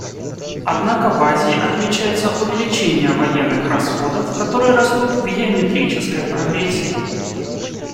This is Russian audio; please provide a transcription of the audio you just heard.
Однако в Азии отмечается увеличение военных расходов, которые растут в геометрической прогрессии.